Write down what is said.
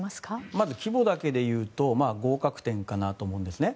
まず、規模だけで言うと合格点かなと思うんですね。